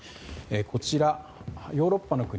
こちらヨーロッパの国